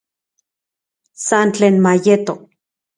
San tlen mayeto